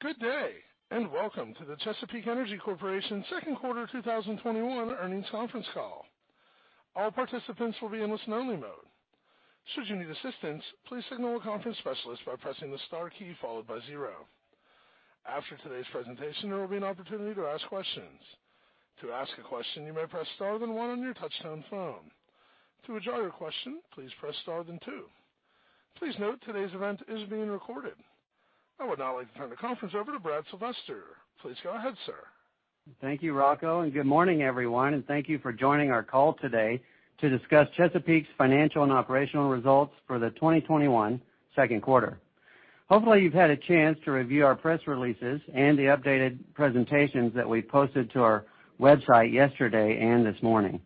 Good day, and welcome to the Chesapeake Energy Corporation second quarter 2021 earnings conference call. All participants will be in listen only mode. Should you need assistance, please signal a conference specialist by pressing the star key, followed by zero. After today's presentation, there will be an opportunity to ask questions. To ask a question you may press star and one on your touchtone phone. To withdraw your question, please press star then two. Please note today's event is being recorded. I would now like to turn the conference over to Brad Sylvester. Please go ahead, sir. Thank you, Rocco. Good morning, everyone. Thank you for joining our call today to discuss Chesapeake's financial and operational results for the 2021 second quarter. Hopefully, you've had a chance to review our press releases and the updated presentations that we posted to our website yesterday and this morning.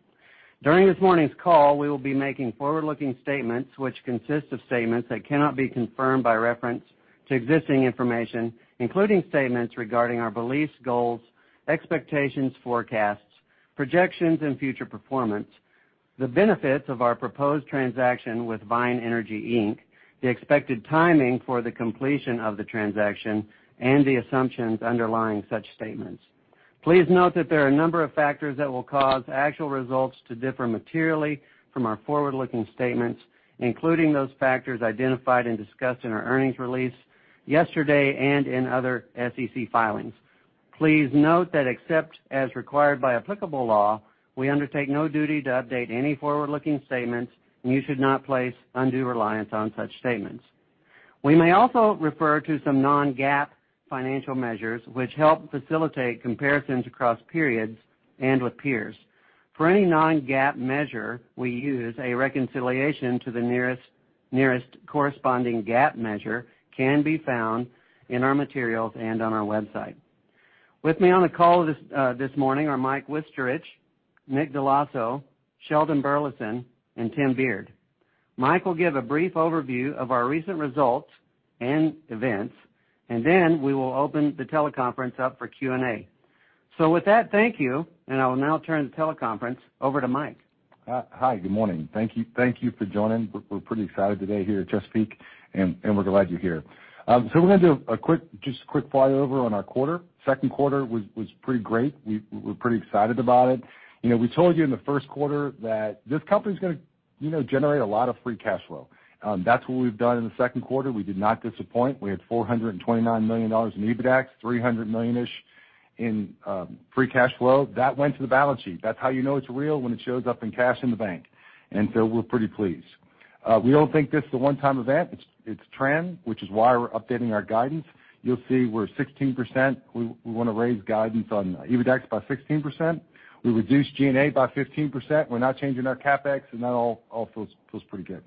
During this morning's call, we will be making forward-looking statements which consist of statements that cannot be confirmed by reference to existing information, including statements regarding our beliefs, goals, expectations, forecasts, projections and future performance, the benefits of our proposed transaction with Vine Energy Inc, the expected timing for the completion of the transaction, and the assumptions underlying such statements. Please note that there are a number of factors that will cause actual results to differ materially from our forward-looking statements, including those factors identified and discussed in our earnings release yesterday and in other SEC filings. Please note that except as required by applicable law, we undertake no duty to update any forward-looking statements, and you should not place undue reliance on such statements. We may also refer to some non-GAAP financial measures, which help facilitate comparisons across periods and with peers. For any non-GAAP measure we use, a reconciliation to the nearest corresponding GAAP measure can be found in our materials and on our website. With me on the call this morning are Mike Wichterich, Nick Dell'Osso, Sheldon Burleson, and Tim Beard. Mike will give a brief overview of our recent results and events, and then we will open the teleconference up for Q&A. With that, thank you, and I will now turn the teleconference over to Mike. Hi. Good morning. Thank you for joining. We're pretty excited today here at Chesapeake, and we're glad you're here. We're going to do just a quick flyover on our quarter. Second quarter was pretty great. We're pretty excited about it. We told you in the first quarter that this company's going to generate a lot of free cash flow. That's what we've done in the second quarter. We did not disappoint. We had $429 million in EBITDAX, $300 million-ish in free cash flow. That went to the balance sheet. That's how you know it's real, when it shows up in cash in the bank. We're pretty pleased. We don't think this is a one-time event. It's a trend, which is why we're updating our guidance. You'll see we're 16%. We want to raise guidance on EBITDAX by 16%. We reduced G&A by 15%. We're not changing our CapEx, and that all feels pretty good.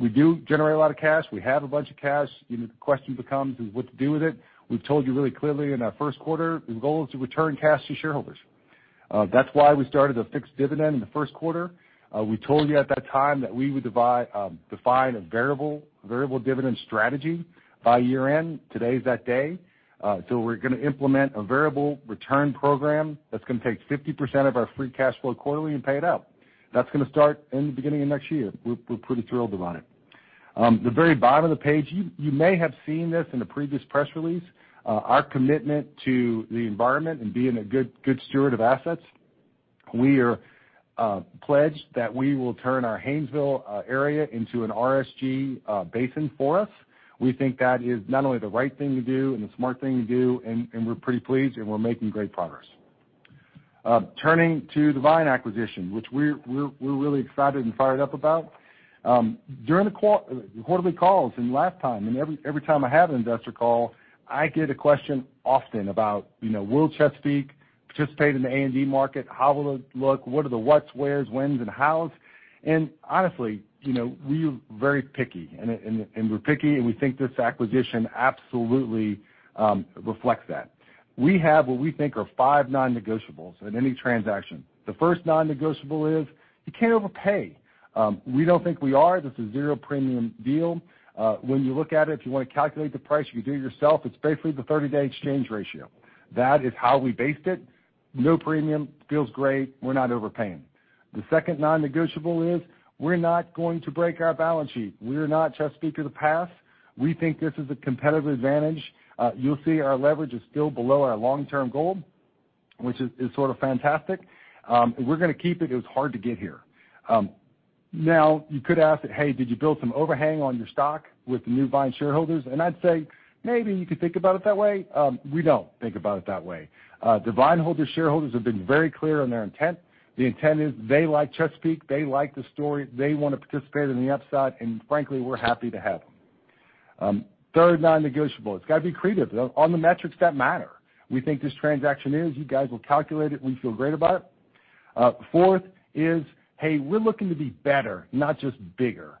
We do generate a lot of cash. We have a bunch of cash. The question becomes, what to do with it? We've told you really clearly in our first quarter, the goal is to return cash to shareholders. That's why we started a fixed dividend in the first quarter. We told you at that time that we would define a variable dividend strategy by year-end. Today is that day. We're going to implement a variable return program that's going to take 50% of our free cash flow quarterly and pay it out. That's going to start in the beginning of next year. We're pretty thrilled about it. The very bottom of the page, you may have seen this in a previous press release. Our commitment to the environment and being a good steward of assets, we are pledged that we will turn our Haynesville area into an RSG basin forest. We think that is not only the right thing to do and the smart thing to do, and we're pretty pleased, and we're making great progress. Turning to the Vine acquisition, which we're really excited and fired up about. During the quarterly calls and last time, and every time I have an investor call, I get a question often about will Chesapeake participate in the A&D market? How will it look? What are the what's, where's, when's, and how's? Honestly, we are very picky. We're picky, and we think this acquisition absolutely reflects that. We have what we think are five non-negotiables in any transaction. The first non-negotiable is you can't overpay. We don't think we are. This is a zero premium deal. When you look at it, if you want to calculate the price, you can do it yourself. It's basically the 30-day exchange ratio. That is how we based it. No premium. Feels great. We're not overpaying. The second non-negotiable is we're not going to break our balance sheet. We're not Chesapeake of the past. We think this is a competitive advantage. You'll see our leverage is still below our long-term goal, which is sort of fantastic. We're going to keep it. It was hard to get here. Now, you could ask that, "Hey, did you build some overhang on your stock with the new Vine shareholders?" I'd say, maybe you could think about it that way. We don't think about it that way. The Vine shareholders have been very clear on their intent. The intent is they like Chesapeake. They like the story. They want to participate in the upside, and frankly, we're happy to have them. Third non-negotiable, it's got to be accretive on the metrics that matter. We think this transaction is. You guys will calculate it. We feel great about it. Fourth is, hey, we're looking to be better, not just bigger.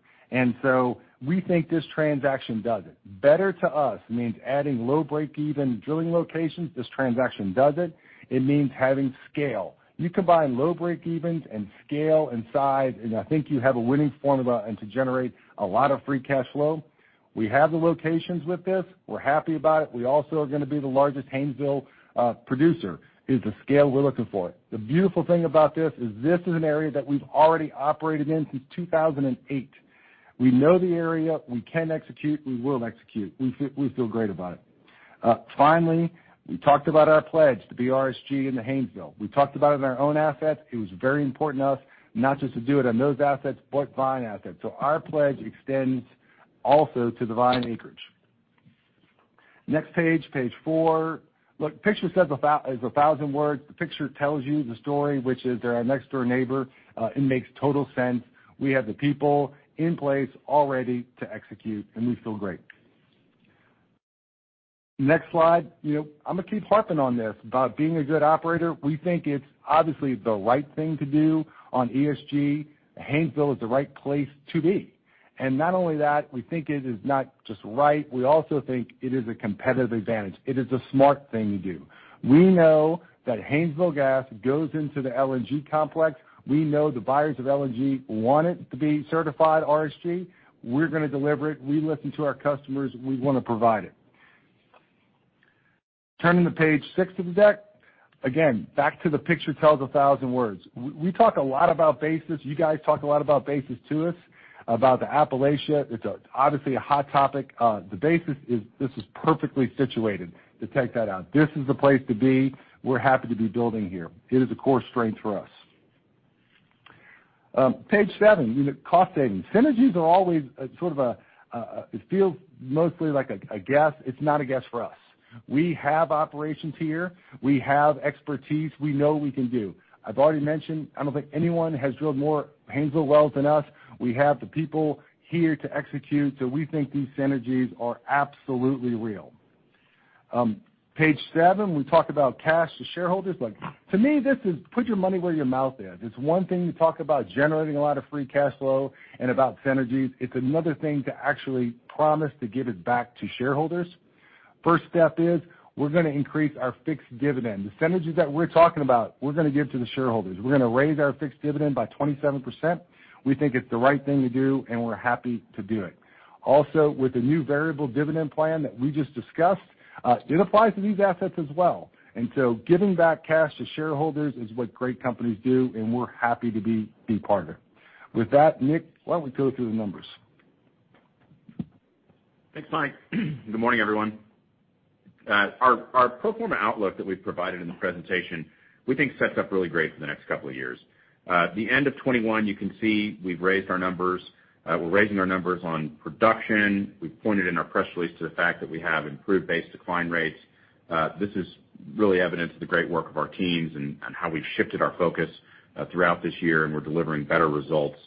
We think this transaction does it. Better to us means adding low break-even drilling locations. This transaction does it. It means having scale. You combine low break-evens and scale and size, and I think you have a winning formula, and to generate a lot of free cash flow. We have the locations with this. We're happy about it. We also are going to be the largest Haynesville producer, is the scale we're looking for. The beautiful thing about this is this is an area that we've already operated in since 2008. We know the area. We can execute. We will execute. We feel great about it. Finally, we talked about our pledge to be RSG in the Haynesville. We talked about it in our own assets. It was very important to us not just to do it on those assets, but Vine assets. Our pledge extends also to the Vine acreage. Next page four. Look, picture says 1,000 words. The picture tells you the story, which is they're our next door neighbor. It makes total sense. We have the people in place already to execute, and we feel great. Next slide. I'm going to keep harping on this, about being a good operator. We think it's obviously the right thing to do on ESG. Haynesville is the right place to be. Not only that, we think it is not just right, we also think it is a competitive advantage. It is the smart thing to do. We know that Haynesville gas goes into the LNG complex. We know the buyers of LNG want it to be certified RSG. We're going to deliver it. We listen to our customers. We want to provide it. Turning to page six of the deck. Again, back to the picture tells a 1,000 words. We talk a lot about basis. You guys talk a lot about basis to us, about the Appalachia. It's obviously a hot topic. The basis is this is perfectly situated to take that out. This is the place to be. We're happy to be building here. It is a core strength for us. Page seven, cost savings. Synergies are always feels mostly like a guess. It's not a guess for us. We have operations here. We have expertise. We know we can do. I've already mentioned, I don't think anyone has drilled more Haynesville wells than us. We have the people here to execute, we think these synergies are absolutely real. Page seven, we talk about cash to shareholders. Look, to me, this is put your money where your mouth is. It's one thing to talk about generating a lot of free cash flow and about synergies. It's another thing to actually promise to give it back to shareholders. First step is we're going to increase our fixed dividend. The synergies that we're talking about, we're going to give to the shareholders. We're going to raise our fixed dividend by 27%. We think it's the right thing to do, and we're happy to do it. Also, with the new variable dividend plan that we just discussed, it applies to these assets as well. Giving back cash to shareholders is what great companies do, and we're happy to be part of it. With that, Nick, why don't we go through the numbers? Thanks, Mike. Good morning, everyone. Our pro forma outlook that we've provided in the presentation, we think sets up really great for the next couple of years. At the end of 2021, you can see we've raised our numbers. We're raising our numbers on production. We've pointed in our press release to the fact that we have improved base decline rates. This is really evidence of the great work of our teams and how we've shifted our focus throughout this year. We're delivering better results,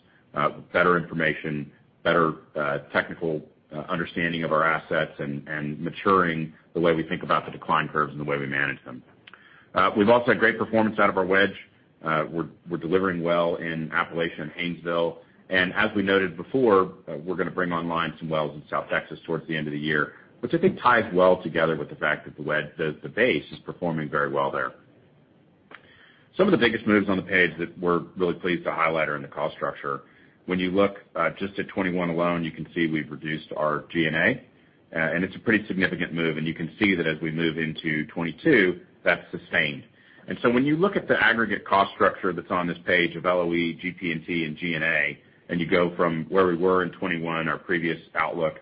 better information, better technical understanding of our assets and maturing the way we think about the decline curves and the way we manage them. We've also had great performance out of our wedge. We're delivering well in Appalachia and Haynesville. As we noted before, we're going to bring online some wells in South Texas towards the end of the year, which I think ties well together with the fact that the base is performing very well there. Some of the biggest moves on the page that we're really pleased to highlight are in the cost structure. When you look just at 2021 alone, you can see we've reduced our G&A, it's a pretty significant move. You can see that as we move into 2022, that's sustained. When you look at the aggregate cost structure that's on this page of LOE, GP&T, and G&A, you go from where we were in 2021, our previous outlook,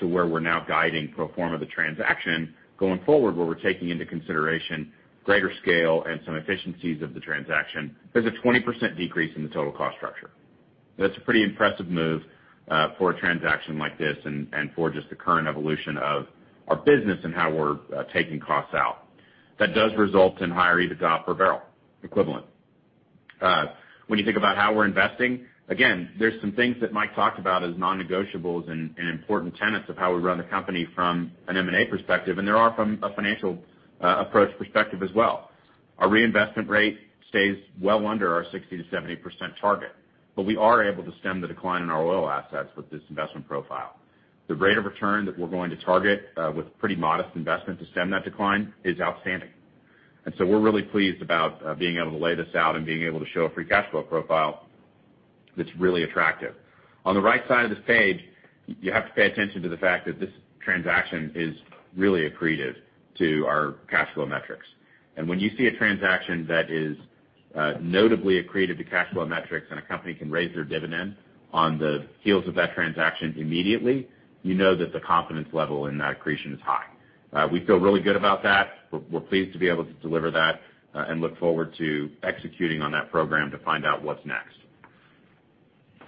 to where we're now guiding pro forma the transaction going forward, where we're taking into consideration greater scale and some efficiencies of the transaction. There's a 20% decrease in the total cost structure. That's a pretty impressive move for a transaction like this and for just the current evolution of our business and how we're taking costs out. That does result in higher EBITDA per barrel equivalent. When you think about how we're investing, again, there's some things that Mike talked about as non-negotiables and important tenets of how we run the company from an M&A perspective, and there are from a financial approach perspective as well. Our reinvestment rate stays well under our 60%-70% target, but we are able to stem the decline in our oil assets with this investment profile. The rate of return that we're going to target with pretty modest investment to stem that decline is outstanding. We're really pleased about being able to lay this out and being able to show a free cash flow profile that's really attractive. On the right side of this page, you have to pay attention to the fact that this transaction is really accretive to our cash flow metrics. When you see a transaction that is notably accretive to cash flow metrics and a company can raise their dividend on the heels of that transaction immediately, you know that the confidence level in that accretion is high. We feel really good about that. We're pleased to be able to deliver that and look forward to executing on that program to find out what's next.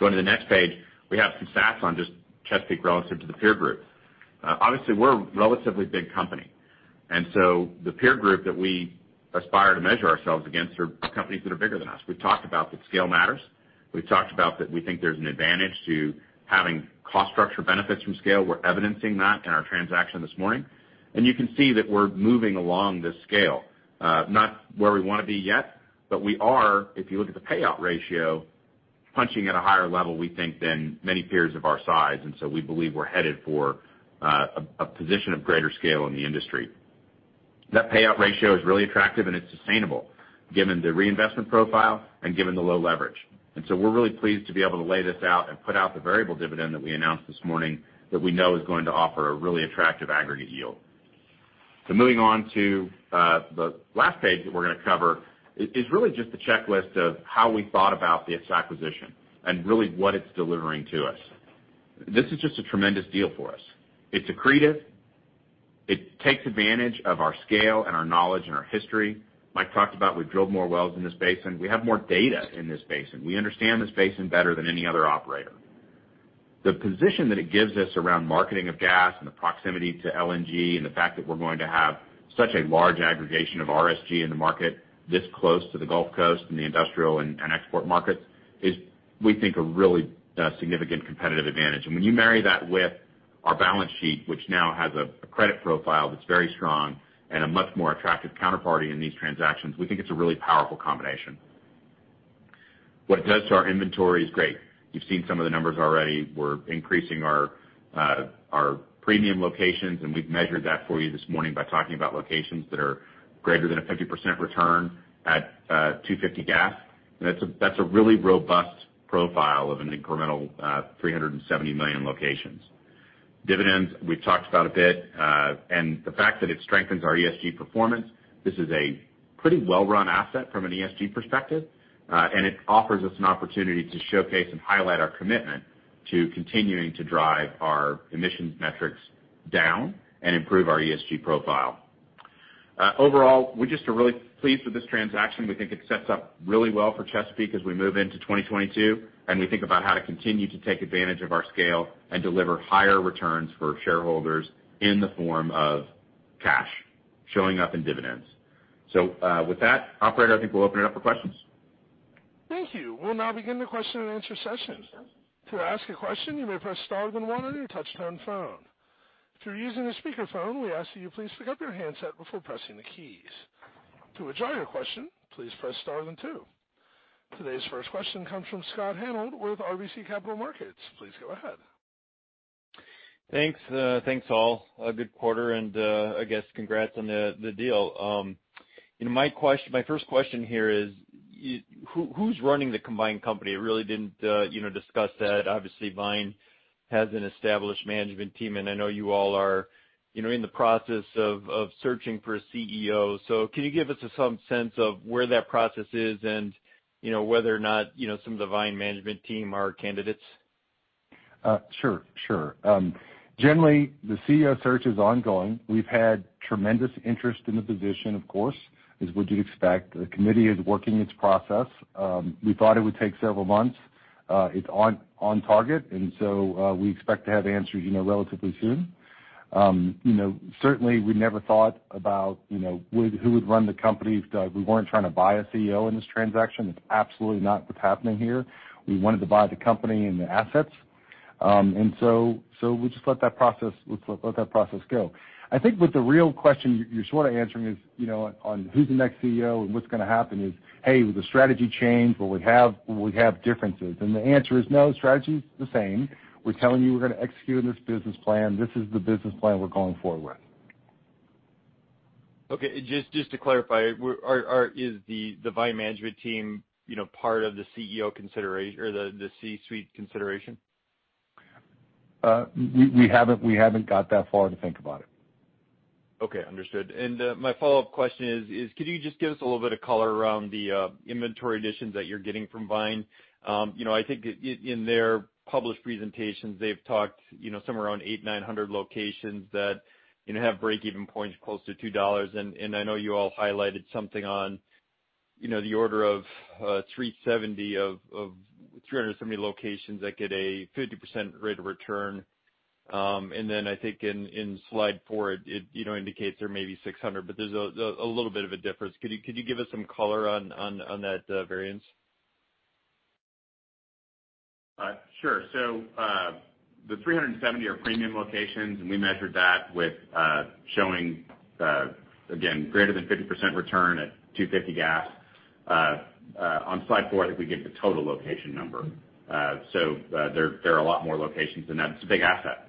Going to the next page, we have some stats on just Chesapeake gross to the peer group. Obviously, we're a relatively big company, the peer group that we aspire to measure ourselves against are companies that are bigger than us. We've talked about that scale matters. We've talked about that we think there's an advantage to having cost structure benefits from scale. We're evidencing that in our transaction this morning. You can see that we're moving along this scale. Not where we want to be yet, but we are, if you look at the payout ratio, punching at a higher level, we think, than many peers of our size. We believe we're headed for a position of greater scale in the industry. That payout ratio is really attractive, and it's sustainable given the reinvestment profile and given the low leverage. We're really pleased to be able to lay this out and put out the variable dividend that we announced this morning that we know is going to offer a really attractive aggregate yield. Moving on to the last page that we're going to cover is really just a checklist of how we thought about this acquisition and really what it's delivering to us. This is just a tremendous deal for us. It's accretive. It takes advantage of our scale and our knowledge and our history. Mike talked about we've drilled more wells in this basin. We have more data in this basin. We understand this basin better than any other operator. The position that it gives us around marketing of gas and the proximity to LNG and the fact that we're going to have such a large aggregation of RSG in the market this close to the Gulf Coast and the industrial and export markets is, we think, a really significant competitive advantage. When you marry that with our balance sheet, which now has a credit profile that's very strong and a much more attractive counterparty in these transactions, we think it's a really powerful combination. What it does to our inventory is great. You've seen some of the numbers already. We're increasing our premium locations, and we've measured that for you this morning by talking about locations that are greater than a 50% return at $2.50 gas. That's a really robust profile of an incremental 370 million locations. Dividends, we've talked about a bit. The fact that it strengthens our ESG performance. This is a pretty well-run asset from an ESG perspective. It offers us an opportunity to showcase and highlight our commitment to continuing to drive our emissions metrics down and improve our ESG profile. Overall, we just are really pleased with this transaction. We think it sets up really well for Chesapeake as we move into 2022, and we think about how to continue to take advantage of our scale and deliver higher returns for shareholders in the form of cash showing up in dividends. With that, operator, I think we'll open it up for questions. Thank you. We'll now begin the question and answer session. To ask a question, you may press star then one on your touchtone phone. If you're using a speakerphone, we ask that you please pick up your handset before pressing the keys. To withdraw your question, please press star then two. Today's first question comes from Scott Hanold with RBC Capital Markets. Please go ahead. Thanks. Thanks, all. A good quarter and, I guess, congrats on the deal. My first question here is, who's running the combined company? You really didn't discuss that. Obviously, Vine has an established management team, and I know you all are in the process of searching for a CEO. Can you give us some sense of where that process is and whether or not some of the Vine management team are candidates? Sure. Generally, the CEO search is ongoing. We've had tremendous interest in the position, of course, as would you expect. The committee is working its process. We thought it would take several months. It's on target. We expect to have answers relatively soon. Certainly, we never thought about who would run the company. We weren't trying to buy a CEO in this transaction. It's absolutely not what's happening here. We wanted to buy the company and the assets. We'll just let that process go. I think what the real question you're sort of answering is on who's the next CEO and what's going to happen is, hey, will the strategy change? Will we have differences? The answer is no, the strategy's the same. We're telling you we're going to execute on this business plan. This is the business plan we're going forward with. Okay. Just to clarify, is the Vine management team part of the C-suite consideration? We haven't got that far to think about it. My follow-up question is, could you just give us a little bit of color around the inventory additions that you're getting from Vine? I think in their published presentations, they've talked somewhere around 800-900 locations that have break-even points close to $2. I know you all highlighted something on the order of 370 locations that get a 50% rate of return. I think in slide four, it indicates there may be 600, but there's a little bit of a difference. Could you give us some color on that variance? Sure. The 370 are premium locations, and we measured that with showing, again, greater than 50% return at $2.50 gas. On slide four, I think we give the total location number. There are a lot more locations than that. It's a big asset.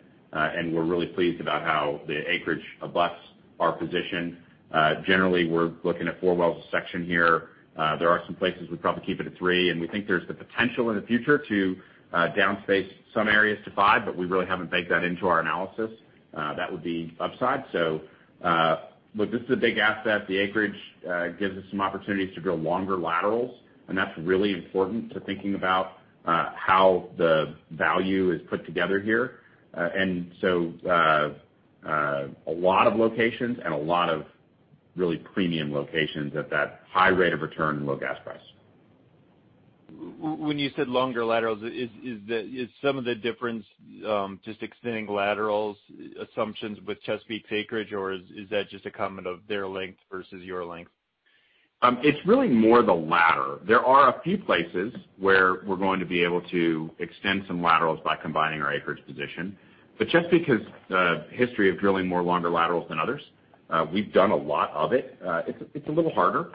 We're really pleased about how the acreage abuts our position. Generally, we're looking at four wells a section here. There are some places we'd probably keep it at three, and we think there's the potential in the future to down-space some areas to five, but we really haven't baked that into our analysis. That would be upside. Look, this is a big asset. The acreage gives us some opportunities to drill longer laterals, and that's really important to thinking about how the value is put together here. A lot of locations and a lot of really premium locations at that high rate of return, low gas price. When you said longer laterals, is some of the difference just extending laterals assumptions with Chesapeake's acreage, or is that just a comment of their length versus your length? It's really more the latter. There are a few places where we're going to be able to extend some laterals by combining our acreage position. Chesapeake has a history of drilling more longer laterals than others. We've done a lot of it. It's a little harder.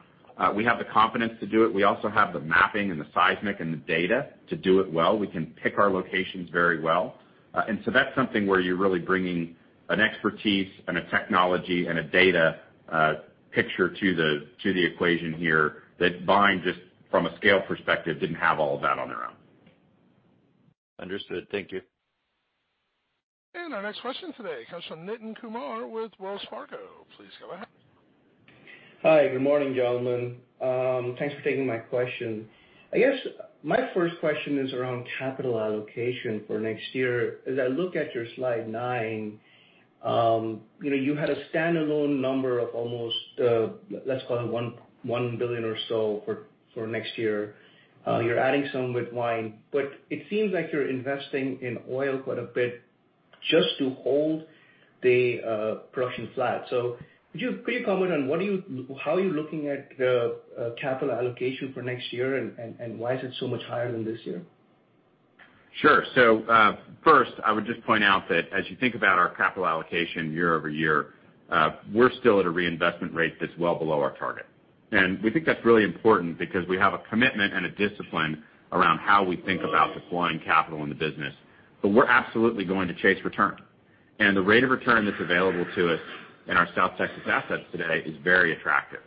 We have the confidence to do it. We also have the mapping and the seismic and the data to do it well. We can pick our locations very well. That's something where you're really bringing an expertise and a technology and a data picture to the equation here that Vine, just from a scale perspective, didn't have all of that on their own. Understood. Thank you. Our next question today comes from Nitin Kumar with Wells Fargo. Please go ahead. Hi, good morning, gentlemen. Thanks for taking my question. I guess my first question is around capital allocation for next year. As I look at your slide nine, you had a standalone number of almost, let's call it $1 billion or so for next year. You're adding some with Vine, but it seems like you're investing in oil quite a bit just to hold the production flat. Could you comment on how you're looking at capital allocation for next year and why is it so much higher than this year? Sure. First, I would just point out that as you think about our capital allocation year-over-year, we're still at a reinvestment rate that's well below our target. We think that's really important because we have a commitment and a discipline around how we think about deploying capital in the business, but we're absolutely going to chase return. The rate of return that's available to us in our South Texas assets today is very attractive.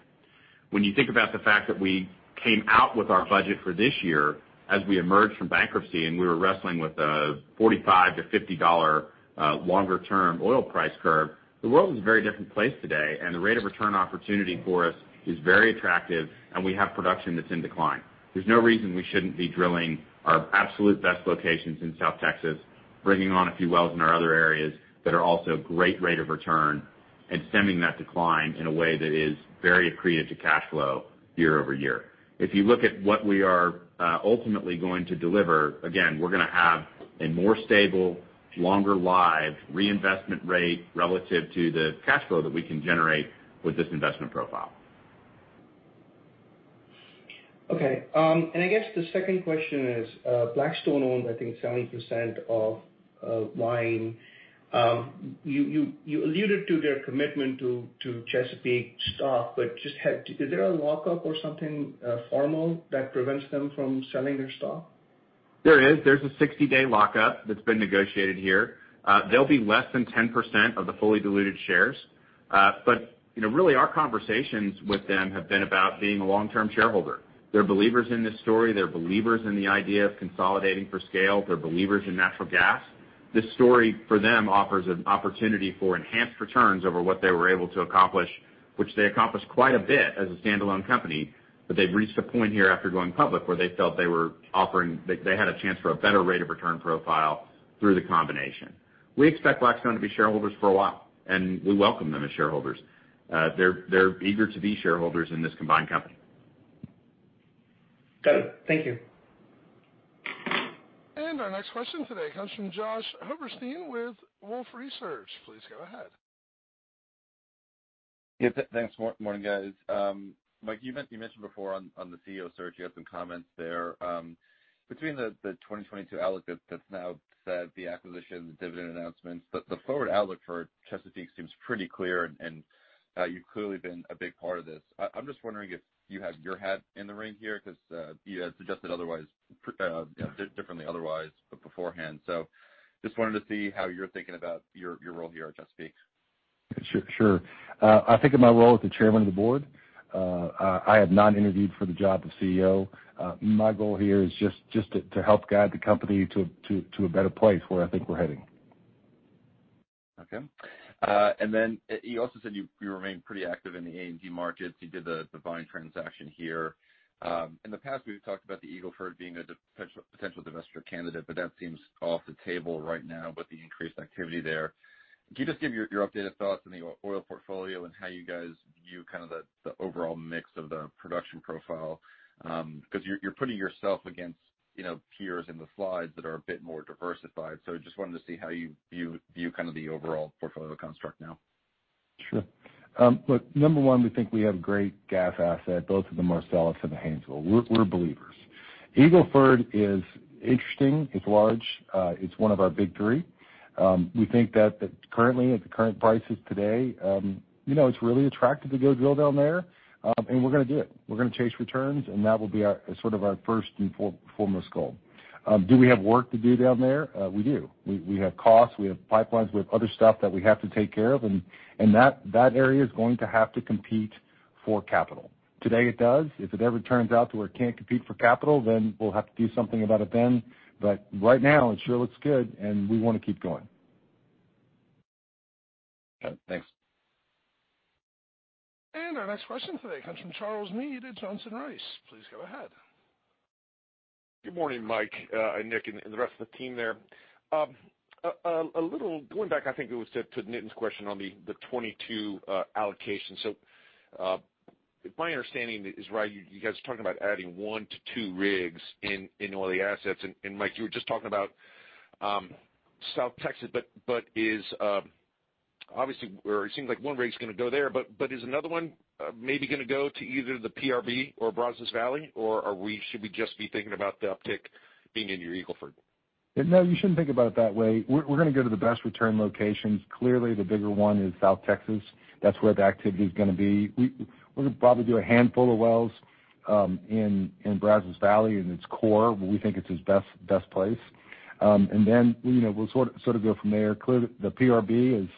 When you think about the fact that we came out with our budget for this year as we emerged from bankruptcy and we were wrestling with a $45-$50 longer-term oil price curve, the world is a very different place today, and the rate of return opportunity for us is very attractive, and we have production that's in decline. There's no reason we shouldn't be drilling our absolute best locations in South Texas, bringing on a few wells in our other areas that are also great rate of return, and stemming that decline in a way that is very accretive to cash flow year-over-year. If you look at what we are ultimately going to deliver, again, we're going to have a more stable, longer live reinvestment rate relative to the cash flow that we can generate with this investment profile. Okay. I guess the second question is, Blackstone owns, I think, 70% of Vine. You alluded to their commitment to Chesapeake stock, but is there a lockup or something formal that prevents them from selling their stock? There is. There's a 60-day lockup that's been negotiated here. They'll be less than 10% of the fully diluted shares. Really our conversations with them have been about being a long-term shareholder. They're believers in this story. They're believers in the idea of consolidating for scale. They're believers in natural gas. This story for them offers an opportunity for enhanced returns over what they were able to accomplish, which they accomplished quite a bit as a standalone company. They've reached a point here after going public where they felt they had a chance for a better rate of return profile through the combination. We expect Blackstone to be shareholders for a while, and we welcome them as shareholders. They're eager to be shareholders in this combined company. Got it. Thank you. Our next question today comes from Josh Silverstein with Wolfe Research. Please go ahead. Thanks. Morning, guys. Mike, you mentioned before on the CEO search, you had some comments there. Between the 2022 outlook that's now said, the acquisition, the dividend announcements, the forward outlook for Chesapeake seems pretty clear and you've clearly been a big part of this. I'm just wondering if you have your hat in the ring here, because you had suggested differently otherwise beforehand. Just wanted to see how you're thinking about your role here at Chesapeake. Sure. I think of my role as the Chairman of the Board. I have not interviewed for the job of CEO. My goal here is just to help guide the company to a better place where I think we're heading. Okay. You also said you remain pretty active in the A&D markets. You did the Vine transaction here. In the past, we've talked about the Eagle Ford being a potential divestiture candidate, that seems off the table right now with the increased activity there. Can you just give your updated thoughts on the oil portfolio and how you guys view the overall mix of the production profile? You're putting yourself against peers in the slides that are a bit more diversified. I just wanted to see how you view the overall portfolio construct now. Sure. Look, number one, we think we have great gas asset, both in the Marcellus and the Haynesville. We're believers. Eagle Ford is interesting. It's large. It's one of our big three. We think that currently at the current prices today, it's really attractive to go drill down there, and we're going to do it. We're going to chase returns, and that will be our first and foremost goal. Do we have work to do down there? We do. We have costs, we have pipelines, we have other stuff that we have to take care of, and that area is going to have to compete for capital. Today it does. If it ever turns out to where it can't compete for capital, then we'll have to do something about it then. Right now, it sure looks good, and we want to keep going. Okay, thanks. Our next question today comes from Charles Meade at Johnson Rice. Please go ahead. Good morning, Mike, Nick, and the rest of the team there. Going back, I think it was to Nitin's question on the 2022 allocation. If my understanding is right, you guys are talking about adding one to two rigs in all the assets. Mike, you were just talking about South Texas, but obviously, it seems like one rig is going to go there, but is another one maybe going to go to either the PRB or Brazos Valley, or should we just be thinking about the uptick being in your Eagle Ford? No, you shouldn't think about it that way. We're going to go to the best return locations. Clearly, the bigger one is South Texas. That's where the activity is going to be. We're going to probably do a handful of wells in Brazos Valley in its core. We think it's the best place. We'll go from there. Clearly, the PRB is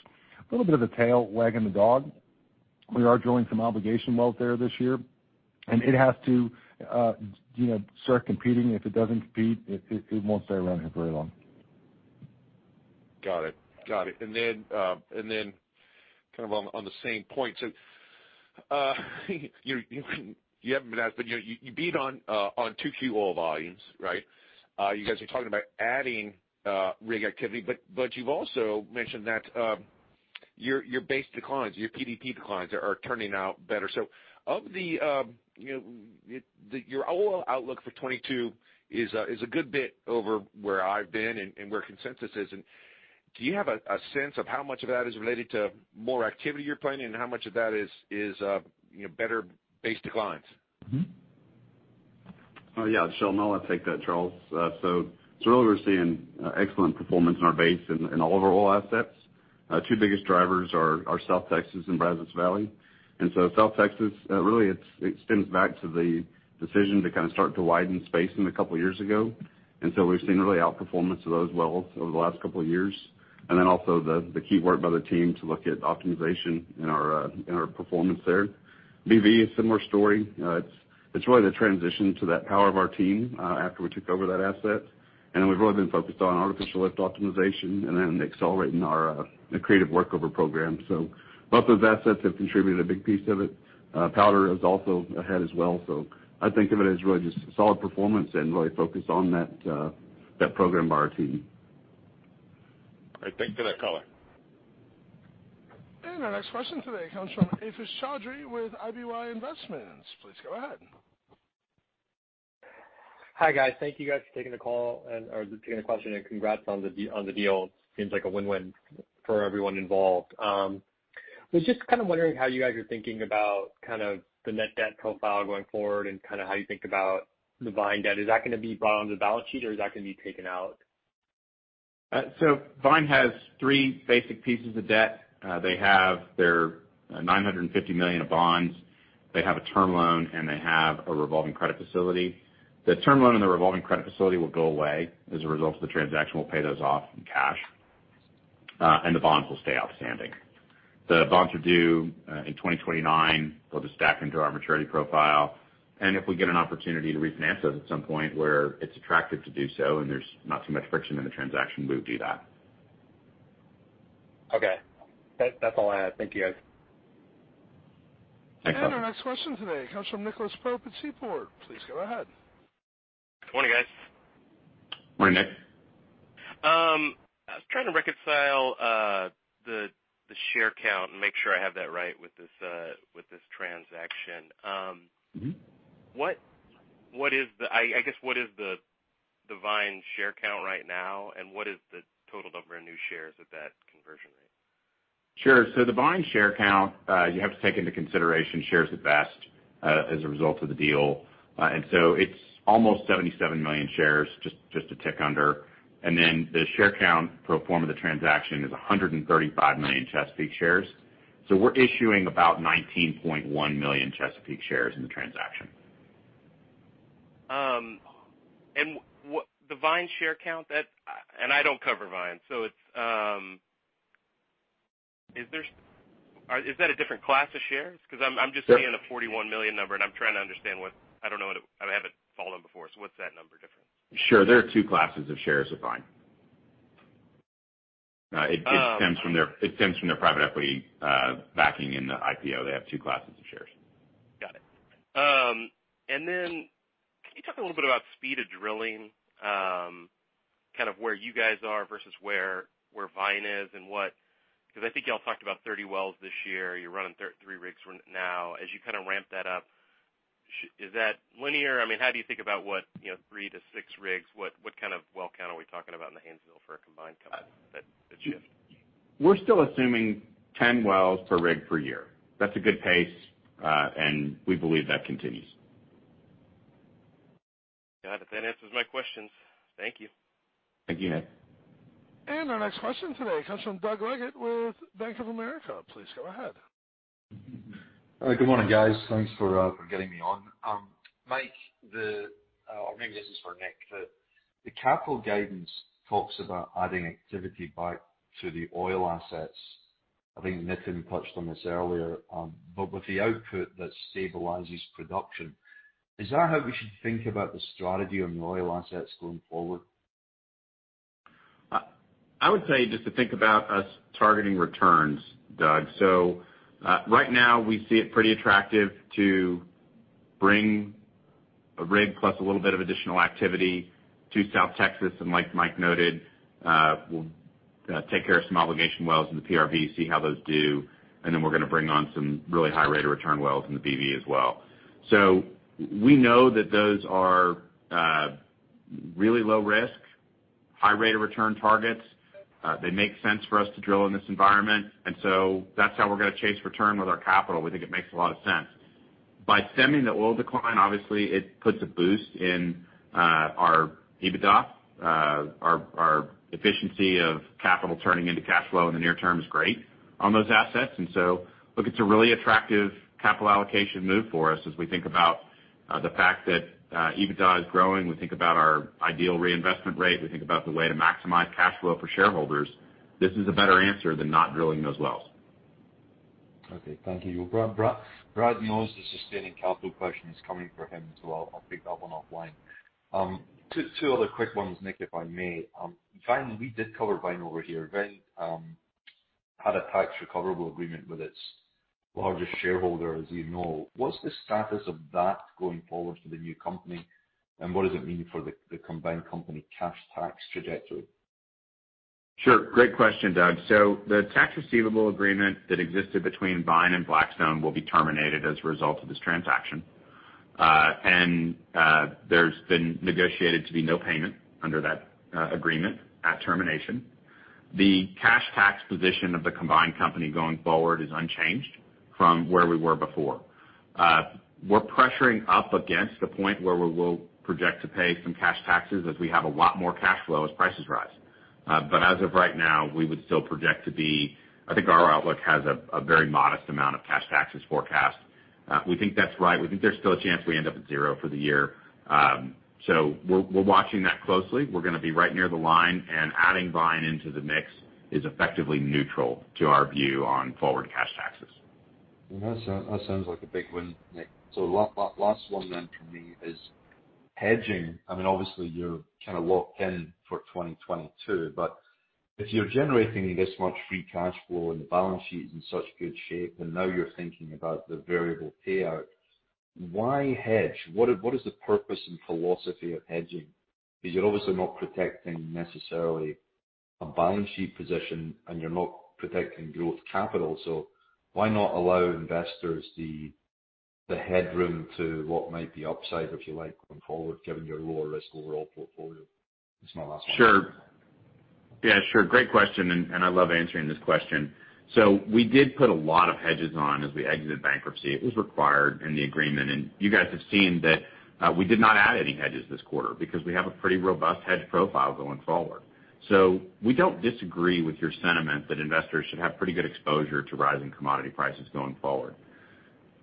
a little bit of a tail wagging the dog. We are drilling some obligation wells there this year, and it has to start competing. If it doesn't compete, it won't stay around here very long. Got it. On the same point, you haven't been asked, but you beat on two key oil volumes. Right? You guys are talking about adding rig activity, but you've also mentioned that your base declines, your PDP declines, are turning out better. Your oil outlook for 2022 is a good bit over where I've been and where consensus is. Do you have a sense of how much of that is related to more activity you're planning, and how much of that is better base declines? Yes. It's Sheldon. I'll take that, Charles. Really, we're seeing excellent performance in our base and in all of our oil assets. Two biggest drivers are South Texas and Brazos Valley. South Texas, really, it stems back to the decision to start to widen spacing a couple of years ago. We've seen really outperformance of those wells over the last couple of years. Also the key work by the team to look at optimization in our performance there. BV is a similar story. It's really the transition to that power of our team after we took over that asset. We've really been focused on artificial lift optimization and then accelerating our creative workover program. Both those assets have contributed a big piece of it. Powder is also ahead as well. I think of it as really just solid performance and really focused on that program by our team. All right. Thank you. That covers it. Our next question today comes from [Aafis Chaudry] with [IBY Investment]. Please go ahead. Hi, guys. Thank you guys for taking the call and or taking the question, and congrats on the deal. It seems like a win-win for everyone involved. Was just wondering how you guys are thinking about the net debt profile going forward and how you think about the Vine debt. Is that going to be brought onto the balance sheet or is that going to be taken out? Vine has three basic pieces of debt. They have their $950 million of bonds. They have a term loan, and they have a revolving credit facility. The term loan and the revolving credit facility will go away as a result of the transaction. We'll pay those off in cash, and the bonds will stay outstanding. The bonds are due in 2029. They'll just stack into our maturity profile, and if we get an opportunity to refinance those at some point where it's attractive to do so and there's not too much friction in the transaction, we would do that. Okay. That's all I had. Thank you, guys. Thanks. Our next question today comes from Nicholas Pope at Seaport. Please go ahead. Good morning, guys. Morning, Nick. I was trying to reconcile the share count and make sure I have that right with this transaction. I guess, what is the Vine share count right now, and what is the total number of new shares at that conversion rate? Sure. The Vine share count, you have to take into consideration shares of vest as a result of the deal. It's almost 77 million shares, just a tick under. The share count pro forma the transaction is 135 million Chesapeake shares. We're issuing about 19.1 million Chesapeake shares in the transaction. I don't cover Vine, so is that a different class of shares? I'm just seeing a 41 million number, and I'm trying to understand what I don't know. I haven't followed them before, so what's that number difference? Sure. There are two classes of shares with Vine. Oh. It stems from their private equity backing in the IPO. They have two classes of shares. Got it. Can you talk a little bit about speed of drilling, where you guys are versus where Vine is? I think y'all talked about 30 wells this year. You're running 33 rigs now. As you ramp that up, is that linear? How do you think about what, three to six rigs, what kind of well count are we talking about in the Haynesville for a combined count that's shifted? We're still assuming 10 wells per rig per year. That's a good pace, and we believe that continues. Got it. That answers my questions. Thank you. Thank you, Nick. Our next question today comes from Doug Leggate with Bank of America. Please go ahead. Good morning, guys. Thanks for getting me on. Mike, or maybe this is for Nick. The capital guidance talks about adding activity back to the oil assets. I think Nitin touched on this earlier. With the output that stabilizes production, is that how we should think about the strategy on the oil assets going forward? Just to think about us targeting returns, Doug. Right now, we see it pretty attractive to bring a rig plus a little bit of additional activity to South Texas. Like Mike noted, we'll take care of some obligation wells in the PRB, see how those do, and then we're going to bring on some really high rate of return wells in the BV as well. We know that those are really low risk, high rate of return targets. They make sense for us to drill in this environment, that's how we're going to chase return with our capital. We think it makes a lot of sense. By stemming the oil decline, obviously, it puts a boost in our EBITDA. Our efficiency of capital turning into cash flow in the near term is great on those assets. Look, it's a really attractive capital allocation move for us as we think about the fact that EBITDA is growing, we think about our ideal reinvestment rate, we think about the way to maximize cash flow for shareholders. This is a better answer than not drilling those wells. Okay. Thank you. Brad knows the sustaining capital question is coming for him, so I'll take that one offline. Two other quick ones, Nick, if I may. Vine. We did cover Vine over here. Vine had a tax recoverable agreement with its largest shareholder, as you know. What's the status of that going forward for the new company, and what does it mean for the combined company cash tax trajectory? Sure. Great question, Doug. The tax receivable agreement that existed between Vine and Blackstone will be terminated as a result of this transaction. There's been negotiated to be no payment under that agreement at termination. The cash tax position of the combined company going forward is unchanged from where we were before. We're pressuring up against a point where we will project to pay some cash taxes as we have a lot more cash flow as prices rise. As of right now, we would still project. I think our outlook has a very modest amount of cash taxes forecast. We think that's right. We think there's still a chance we end up at zero for the year. We're watching that closely. We're going to be right near the line, and adding Vine into the mix is effectively neutral to our view on forward cash taxes. That sounds like a big win, Nick. Last one then from me is hedging. Obviously, you're kind of locked in for 2022, but if you're generating this much free cash flow and the balance sheet is in such good shape, and now you're thinking about the variable payout, why hedge? What is the purpose and philosophy of hedging? You're obviously not protecting necessarily a balance sheet position, and you're not protecting growth capital. Why not allow investors the headroom to what might be upside, if you like, going forward, given your lower risk overall portfolio? Just my last one. Sure. Yeah, sure. Great question, and I love answering this question. We did put a lot of hedges on as we exited bankruptcy. It was required in the agreement. You guys have seen that we did not add any hedges this quarter because we have a pretty robust hedge profile going forward. We don't disagree with your sentiment that investors should have pretty good exposure to rising commodity prices going forward.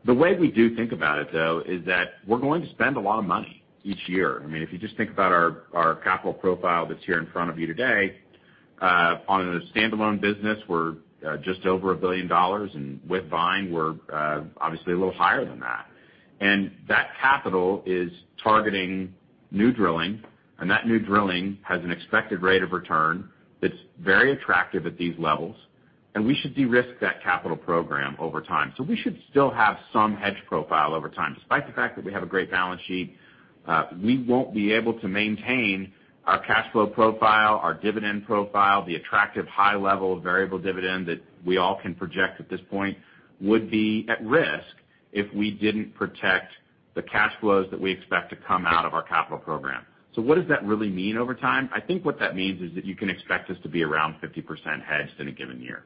The way we do think about it, though, is that we're going to spend a lot of money each year. If you just think about our capital profile that's here in front of you today, on a standalone business, we're just over $1 billion. With Vine, we're obviously a little higher than that. That capital is targeting new drilling, and that new drilling has an expected rate of return that's very attractive at these levels, and we should de-risk that capital program over time. We should still have some hedge profile over time. Despite the fact that we have a great balance sheet, we won't be able to maintain our cash flow profile, our dividend profile, the attractive high level of variable dividend that we all can project at this point would be at risk if we didn't protect the cash flows that we expect to come out of our capital program. What does that really mean over time? I think what that means is that you can expect us to be around 50% hedged in a given year.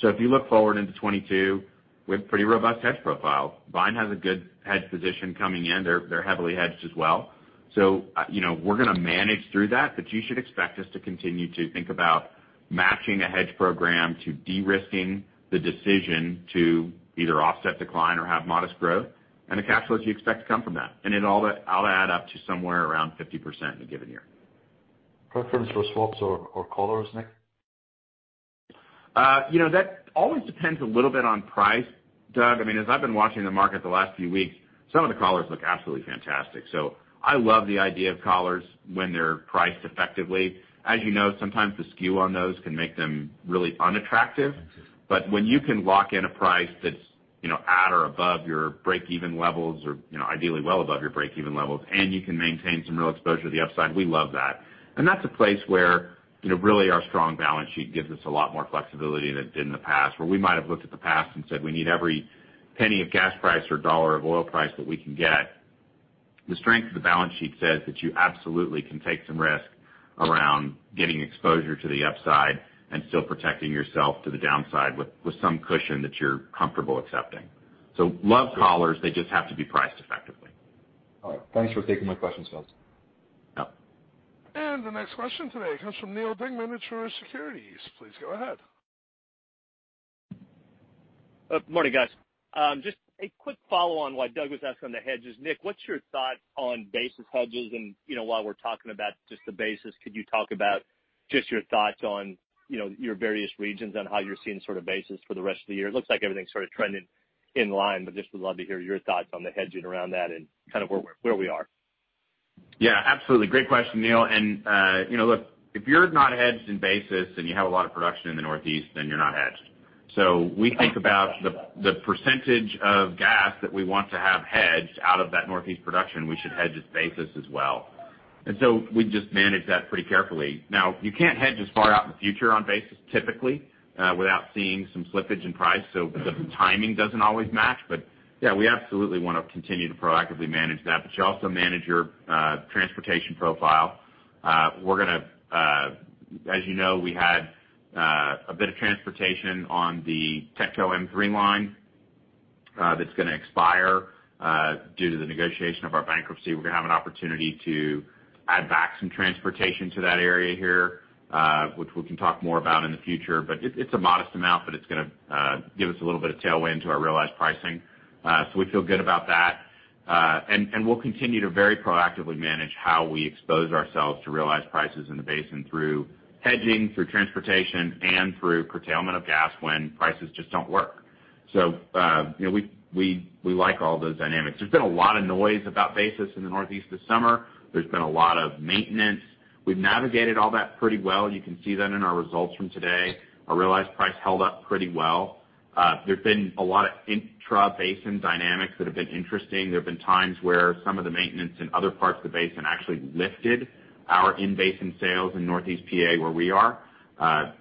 If you look forward into 2022, we have pretty robust hedge profile. Vine has a good hedge position coming in. They're heavily hedged as well. We're going to manage through that, but you should expect us to continue to think about matching a hedge program to de-risking the decision to either offset decline or have modest growth and the cash flows you expect to come from that. It all add up to somewhere around 50% in a given year. Preference for swaps or collars, Nick? That always depends a little bit on price, Doug. As I've been watching the market the last few weeks, some of the collars look absolutely fantastic. I love the idea of collars when they're priced effectively. As you know, sometimes the skew on those can make them really unattractive. When you can lock in a price that's at or above your break-even levels or ideally well above your break-even levels, and you can maintain some real exposure to the upside, we love that. That's a place where really our strong balance sheet gives us a lot more flexibility than it did in the past, where we might have looked at the past and said we need every penny of gas price or dollar of oil price that we can get. The strength of the balance sheet says that you absolutely can take some risk around getting exposure to the upside and still protecting yourself to the downside with some cushion that you're comfortable accepting. Love collars, they just have to be priced effectively. All right. Thanks for taking my questions, fellas. Yep. The next question today comes from Neal Dingmann at Truist Securities. Please go ahead. Morning, guys. Just a quick follow on what Doug was asking on the hedges. Nick, what's your thought on basis hedges? While we're talking about just the basis, could you talk about just your thoughts on your various regions on how you're seeing sort of basis for the rest of the year? It looks like everything's sort of trending in line, but just would love to hear your thoughts on the hedging around that and kind of where we are. Yeah, absolutely. Great question, Neal. Look, if you're not hedged in basis and you have a lot of production in the Northeast, then you're not hedged. We think about the percentage of gas that we want to have hedged out of that Northeast production, we should hedge its basis as well. We just manage that pretty carefully. Now, you can't hedge as far out in the future on basis, typically, without seeing some slippage in price. The timing doesn't always match. Yeah, we absolutely want to continue to proactively manage that. You also manage your transportation profile. As you know, we had a bit of transportation on the TETCO M3 line that's going to expire due to the negotiation of our bankruptcy. We're going to have an opportunity to add back some transportation to that area here, which we can talk more about in the future. It's a modest amount, but it's going to give us a little bit of tailwind to our realized pricing. We feel good about that. We'll continue to very proactively manage how we expose ourselves to realized prices in the basin through hedging, through transportation, and through curtailment of gas when prices just don't work. We like all those dynamics. There's been a lot of noise about basis in the Northeast this summer. There's been a lot of maintenance. We've navigated all that pretty well. You can see that in our results from today. Our realized price held up pretty well. There's been a lot of intrabasin dynamics that have been interesting. There've been times where some of the maintenance in other parts of the basin actually lifted our in-basin sales in Northeast PA, where we are.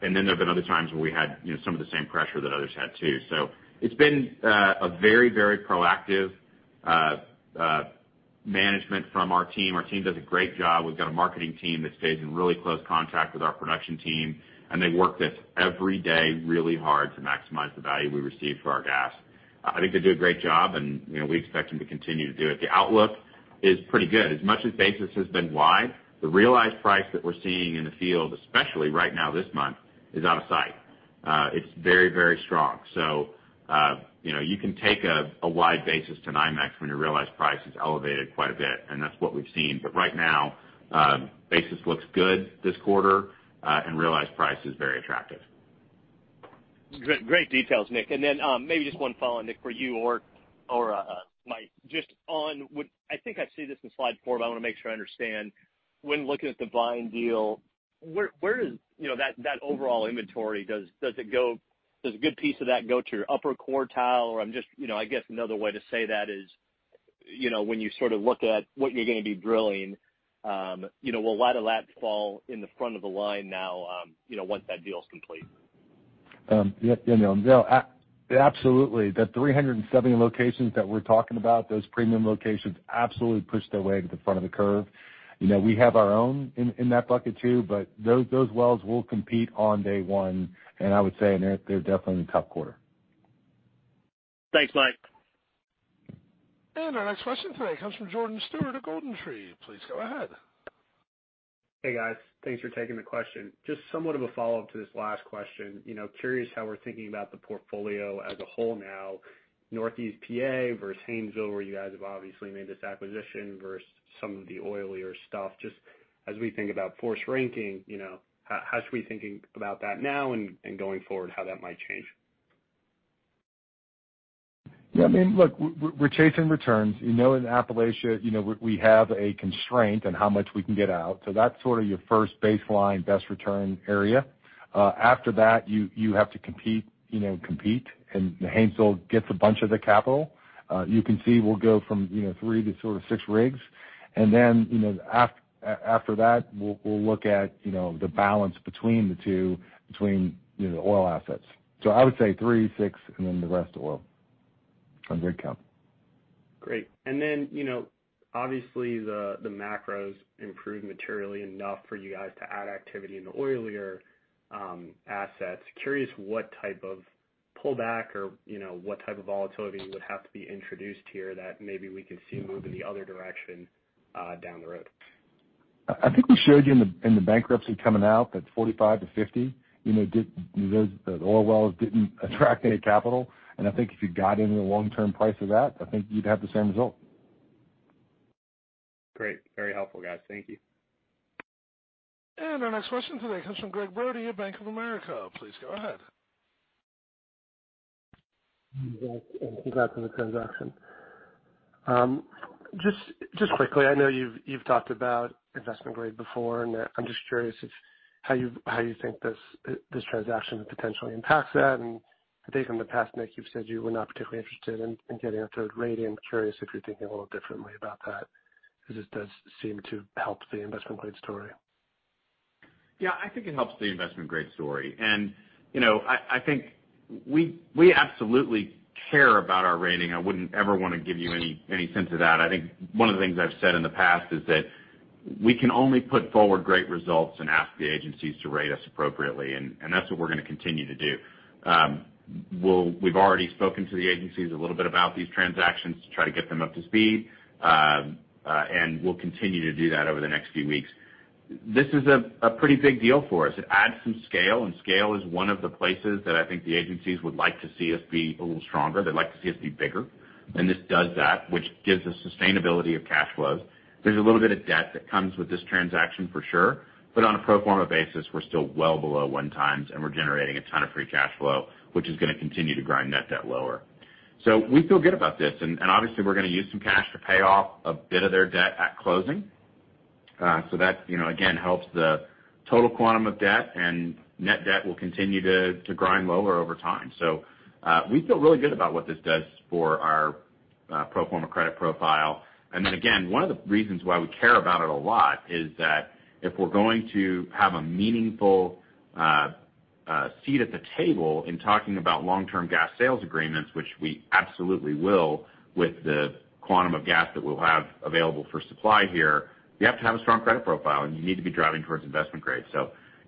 There've been other times where we had some of the same pressure that others had too. It's been a very proactive management from our team. Our team does a great job. We've got a marketing team that stays in really close contact with our production team, and they work this every day really hard to maximize the value we receive for our gas. I think they do a great job, and we expect them to continue to do it. The outlook is pretty good. As much as basis has been wide, the realized price that we're seeing in the field, especially right now this month, is out of sight. It's very strong. You can take a wide basis to NYMEX when your realized price is elevated quite a bit, and that's what we've seen. Right now, basis looks good this quarter, and realized price is very attractive. Great details, Nick. Maybe just one follow-on, Nick, for you or Mike. I think I see this in slide four, I want to make sure I understand. When looking at the Vine deal, that overall inventory, does a good piece of that go to your upper quartile? I guess another way to say that is, when you look at what you're going to be drilling, will a lot of that fall in the front of the line now once that deal's complete? Yeah. Absolutely. The 370 locations that we're talking about, those premium locations absolutely push their way to the front of the curve. We have our own in that bucket too, but those wells will compete on day one, and I would say they're definitely in the top quarter. Thanks, Mike. Our next question today comes from Jordan Stuart of GoldenTree. Please go ahead. Hey, guys. Thanks for taking the question. Just somewhat of a follow-up to this last question. Curious how we're thinking about the portfolio as a whole now, Northeast P.A. versus Haynesville, where you guys have obviously made this acquisition versus some of the oilier stuff? Just as we think about force ranking, how should we be thinking about that now and going forward, how that might change? Yeah, look, we're chasing returns. In Appalachia, we have a constraint on how much we can get out, so that's your first baseline best return area. After that, you have to compete, and Haynesville gets a bunch of the capital. You can see we'll go from three to six rigs. After that, we'll look at the balance between the two, between the oil assets. I would say three, six, and then the rest oil, on rig count. Great. Obviously, the macros improved materially enough for you guys to add activity in the oilier assets. Curious what type of pullback or what type of volatility would have to be introduced here that maybe we could see a move in the other direction down the road. I think we showed you in the bankruptcy coming out that 45 to 50. Those oil wells didn't attract any capital. I think if you got in the long-term price of that, I think you'd have the same result. Great. Very helpful, guys. Thank you. Our next question today comes from Gregg Brody at Bank of America. Please go ahead. Greg, congrats on the transaction. Just quickly, I know you've talked about investment grade before, and I'm just curious how you think this transaction potentially impacts that. I think in the past, Nick, you've said you were not particularly interested in getting a third rating. I'm curious if you're thinking a little differently about that, because this does seem to help the investment grade story. Yeah, I think it helps the investment grade story. I think we absolutely care about our rating. I wouldn't ever want to give you any sense of that. I think one of the things I've said in the past is that we can only put forward great results and ask the agencies to rate us appropriately, and that's what we're going to continue to do. We've already spoken to the agencies a little bit about these transactions to try to get them up to speed. We'll continue to do that over the next few weeks. This is a pretty big deal for us. It adds some scale, and scale is one of the places that I think the agencies would like to see us be a little stronger. They'd like to see us be bigger. This does that, which gives the sustainability of cash flows. There's a little bit of debt that comes with this transaction for sure, but on a pro forma basis, we're still well below 1x, and we're generating a ton of free cash flow, which is going to continue to grind net debt lower. We feel good about this, and obviously, we're going to use some cash to pay off a bit of their debt at closing. That, again, helps the total quantum of debt, and net debt will continue to grind lower over time. We feel really good about what this does for our pro forma credit profile. Then again, one of the reasons why we care about it a lot is that if we're going to have a meaningful seat at the table in talking about long-term gas sales agreements, which we absolutely will with the quantum of gas that we'll have available for supply here, you have to have a strong credit profile, and you need to be driving towards investment grade.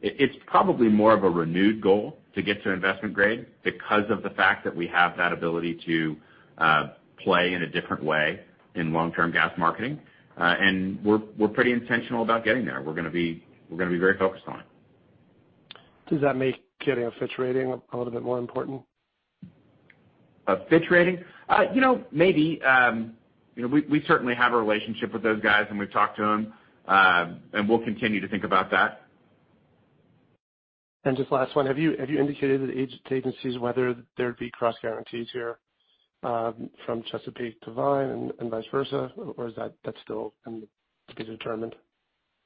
It's probably more of a renewed goal to get to investment grade because of the fact that we have that ability to play in a different way in long-term gas marketing. We're pretty intentional about getting there. We're going to be very focused on it. Does that make getting a Fitch rating a little bit more important? A Fitch rating? Maybe. We certainly have a relationship with those guys, and we've talked to them. We'll continue to think about that. Just last one. Have you indicated to the agencies whether there'd be cross guarantees here from Chesapeake to Vine and vice versa, or is that still to be determined?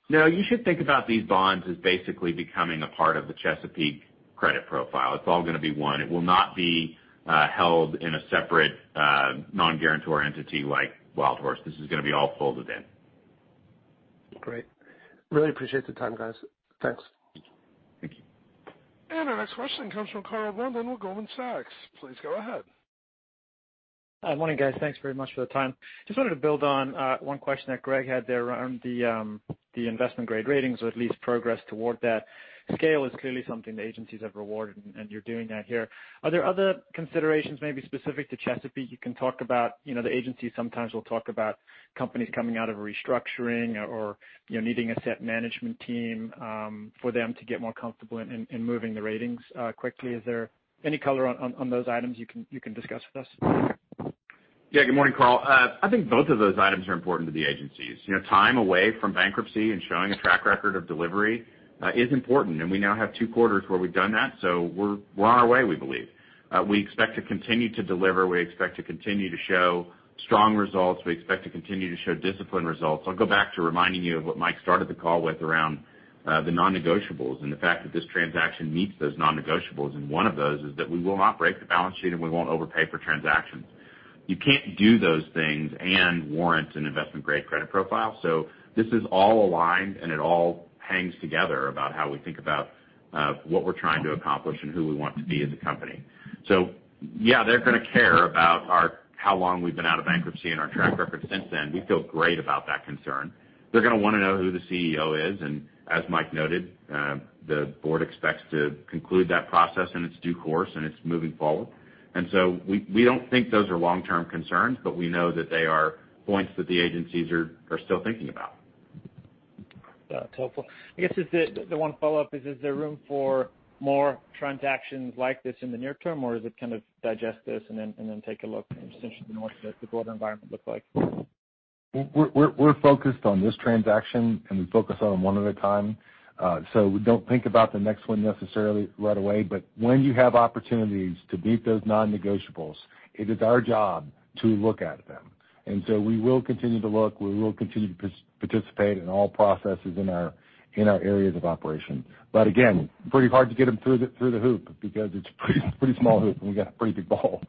No, you should think about these bonds as basically becoming a part of the Chesapeake credit profile. It's all going to be one. It will not be held in a separate non-guarantor entity like WildHorse. This is going to be all folded in. Great. Really appreciate the time, guys. Thanks. Thank you. Our next question comes from Karl Blunden with Goldman Sachs. Please go ahead. Hi. Morning, guys. Thanks very much for the time. Just wanted to build on one question that Greg had there around the investment-grade ratings, or at least progress toward that. Scale is clearly something the agencies have rewarded, and you're doing that here. Are there other considerations, maybe specific to Expand Energy, you can talk about? The agencies sometimes will talk about companies coming out of a restructuring or needing a set management team for them to get more comfortable in moving the ratings quickly. Is there any color on those items you can discuss with us? Yeah. Good morning, Karl. I think both of those items are important to the agencies. Time away from bankruptcy and showing a track record of delivery is important, and we now have two quarters where we've done that, so we're on our way, we believe. We expect to continue to deliver. We expect to continue to show strong results. We expect to continue to show disciplined results. I'll go back to reminding you of what Mike started the call with around the non-negotiables and the fact that this transaction meets those non-negotiables, and one of those is that we will not break the balance sheet, and we won't overpay for transactions. You can't do those things and warrant an investment-grade credit profile. This is all aligned, and it all hangs together about how we think about what we're trying to accomplish and who we want to be as a company. Yeah, they're going to care about how long we've been out of bankruptcy and our track record since then. We feel great about that concern. They're going to want to know who the CEO is, and as Mike noted, the board expects to conclude that process in its due course, and it's moving forward. We don't think those are long-term concerns, but we know that they are points that the agencies are still thinking about. That's helpful. I guess the one follow-up is there room for more transactions like this in the near term, or is it kind of digest this and then take a look and essentially know what the broader environment looks like? We're focused on this transaction, and we focus on them one at a time. We don't think about the next one necessarily right away, but when you have opportunities to meet those non-negotiables, it is our job to look at them. We will continue to look. We will continue to participate in all processes in our areas of operation. Again, pretty hard to get them through the hoop because it's a pretty small hoop, and we got a pretty big ball.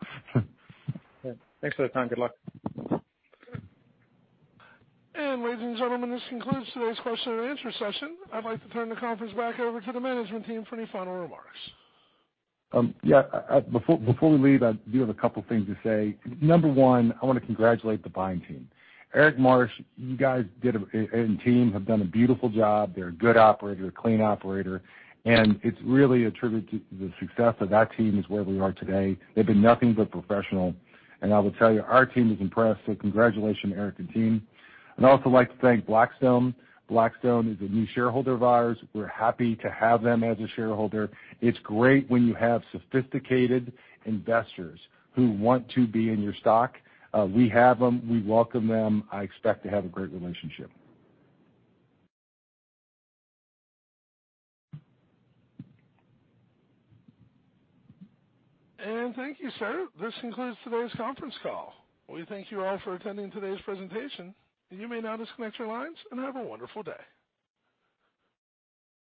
Good. Thanks for the time. Good luck. Ladies and gentlemen, this concludes today's question and answer session. I'd like to turn the conference back over to the management team for any final remarks. Before we leave, I do have a couple things to say. Number one, I want to congratulate the Vine team. Eric Marsh and team have done a beautiful job. They're a good operator, a clean operator, and it's really a tribute to the success of that team is where we are today. They've been nothing but professional, and I will tell you, our team is impressed. Congratulations, Eric and team. I'd also like to thank Blackstone. Blackstone is a new shareholder of ours. We're happy to have them as a shareholder. It's great when you have sophisticated investors who want to be in your stock. We have them. We welcome them. I expect to have a great relationship. Thank you, sir. This concludes today's conference call. We thank you all for attending today's presentation. You may now disconnect your lines and have a wonderful day.